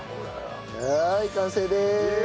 はい完成です！